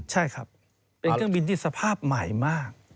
ใช่ครับเป็นเครื่องบินที่สภาพใหม่มาก